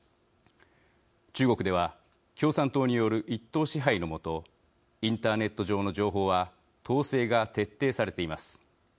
中国では共産党による一党支配の下インターネット上の情報は統制が徹底されています。